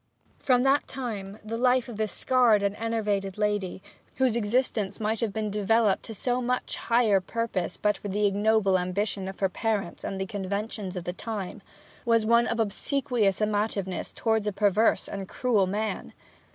From that time the life of this scared and enervated lady whose existence might have been developed to so much higher purpose but for the ignoble ambition of her parents and the conventions of the time was one of obsequious amativeness towards a perverse and cruel man.